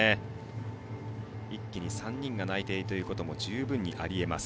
一気に３人が内定ということも十分にあり得ます。